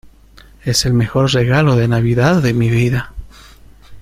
es el mejor regalo de Navidad de mi vida.